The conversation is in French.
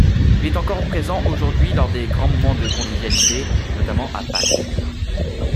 Il est encore présent aujourd'hui lors des grands moments de convivialité, notamment à Pâques.